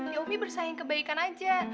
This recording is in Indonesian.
ya ubi bersaing kebaikan aja